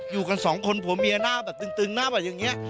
อยู่กันสองคนผัวเมียหน้าแบบตึงหน้าแบบอย่างนี้